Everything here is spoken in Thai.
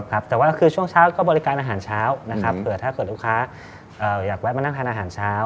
แต่ว่าก็คือช่วงเช้าก็บริการอาหารเช้านะครับเผื่อถ้าเกิดลูกค้าอยากแวะมานั่งทานอาหารเช้า